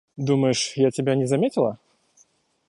Думаешь я тебя не заметила?